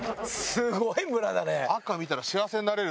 すごい村だね。